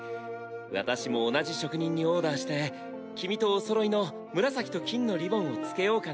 私も同じ職人にオーダーして君とおそろいの紫と金のリボンを付けようかな。